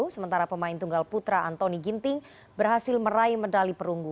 sementara pemain tunggal putra antoni ginting berhasil meraih medali perunggu